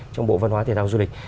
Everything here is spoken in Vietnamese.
trong bộ văn hóa thể tạo du lịch